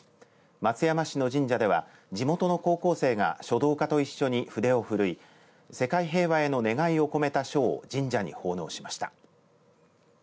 松山市の神社では地元の高校生が書道家と一緒に筆を振るい世界平和への願いを込めた書を神社に奉納しました。